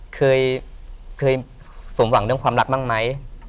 เคยสมหวังเรื่องความรักบ้างไหม